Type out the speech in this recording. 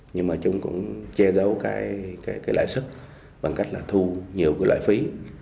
nhưng chúng cũng che giấu lãi suất bằng cách thu nhiều loại phí